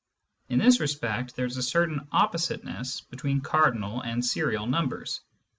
In this respect there is a certain oppositeness between cardinal and serial numbers.